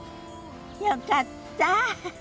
よかった。